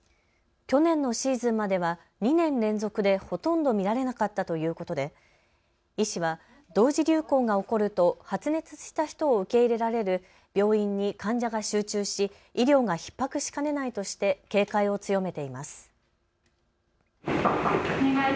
去年のシーズンまでは２年連続でほとんど見られなかったということで医師は同時流行が起こると発熱した人を受け入れられる病院に患者が集中し医療がひっ迫しかねないとして警戒を強めています。